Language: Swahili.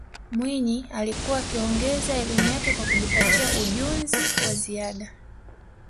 mwinyi alikuwa akiongeza elimu yake kwa kujipatia ujunzi wa ziada